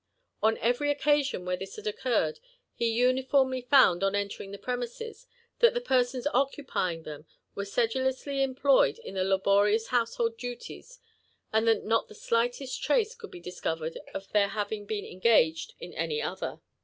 On every occasion where this had occurred, he uniformly found, on entering the preniises, that the persons occupying them were sedulously employed in their laborious household duties, and that not the slightest trace could be discovered of their having been engaged in any other.